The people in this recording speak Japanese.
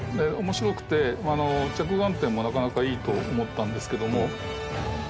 面白くて着眼点もなかなかいいと思ったんですけども。